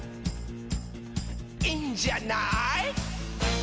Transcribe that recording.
「いいんじゃない？」